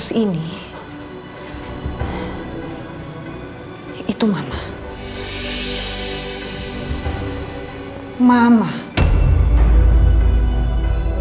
jadi yang sedang berkata kata memang jadi contengan that's what i am